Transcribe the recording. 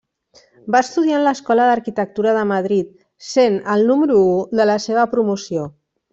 Va estudiar en l'Escola d'Arquitectura de Madrid, sent el número u de la seva promoció.